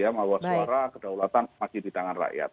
ya mahu suara kedaulatan masih di tangan rakyat